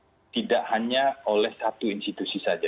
pemerintah tidak hanya dilakukan oleh satu institusi saja